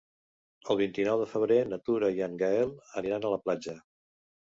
El vint-i-nou de febrer na Tura i en Gaël aniran a la platja.